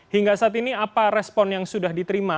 hingga saat ini apa respon yang sudah diterima